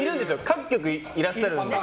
各局いらっしゃるんです。